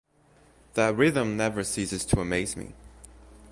That rhythm never ceases to amaze me.